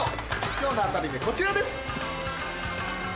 今日の当たり目こちらです！